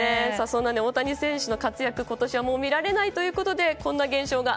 そんな大谷選手の活躍、今年はもう見られないということでこんな現象が。